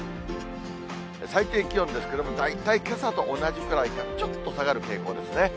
最低気温ですけれども、大体けさと同じくらいか、ちょっと下がる傾向ですね。